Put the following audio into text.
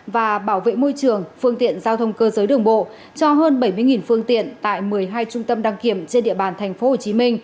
và bảo vệ môi trường phương tiện giao thông cơ giới đường bộ cho hơn bảy mươi phương tiện tại một mươi hai trung tâm đăng kiểm trên địa bàn tp hcm